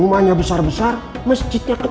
rumahnya besar besar masjidnya